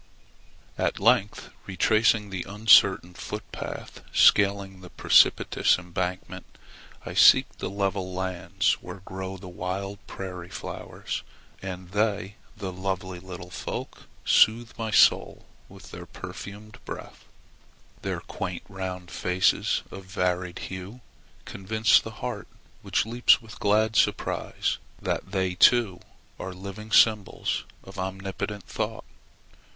At length retracing the uncertain footpath scaling the precipitous embankment, I seek the level lands where grow the wild prairie flowers. And they, the lovely little folk, soothe my soul with their perfumed breath. Their quaint round faces of varied hue convince the heart which leaps with glad surprise that they, too, are living symbols of omnipotent thought.